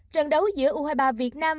trận đấu giữa u hai mươi ba việt nam